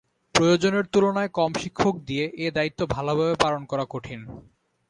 প্রয়োজনের তুলনায় কম শিক্ষক দিয়ে এ দায়িত্ব ভালোভাবে পালন করা কঠিন।